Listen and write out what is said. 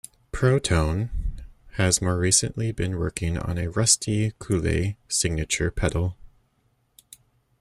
ProTone has more recently been working on a Rusty Cooley Signature pedal.